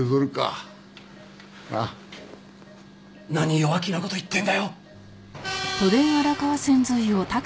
何弱気な事言ってんだよ。